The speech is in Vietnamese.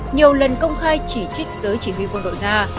nhiều lần công khai chỉ trích giới chỉ huy quân đội nga